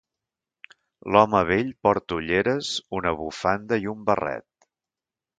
L'home vell porta ulleres, una bufanda i un barret.